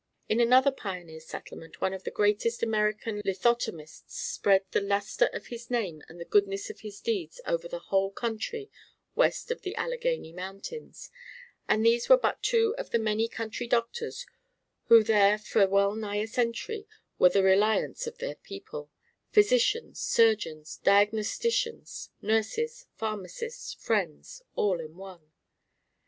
In another pioneer settlement one of the greatest of American lithotomists spread the lustre of his name and the goodness of his deeds over the whole country west of the Alleghany Mountains; and these were but two of those many country doctors who there for well nigh a century were the reliance of their people: physicians, surgeons, diagnosticians, nurses, pharmacists, friends all in one.